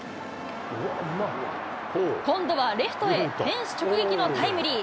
今度はレフトへ、フェンス直撃のタイムリー。